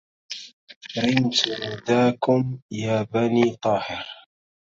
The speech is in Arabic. رمت نداكم يا بني طاهر